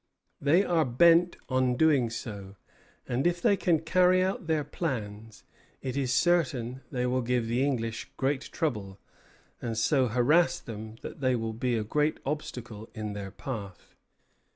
They are bent on doing so; and if they can carry out their plans, it is certain that they will give the English great trouble, and so harass them that they will be a great obstacle in their path.